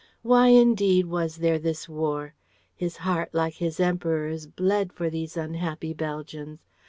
Why, indeed, was there this War! His heart like his Emperor's bled for these unhappy Belgians.